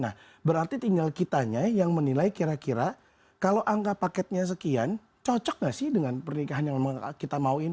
nah berarti tinggal kitanya yang menilai kira kira kalau angka paketnya sekian cocok gak sih dengan pernikahan yang kita mauin